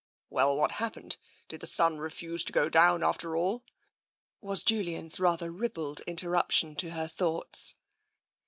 "Well, what happened? Did the sun refuse to go down after all ?" was Julian's rather ribald interrup tion to hier thoughts.